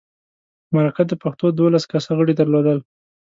مرکه د پښتو دولس کسه غړي درلودل.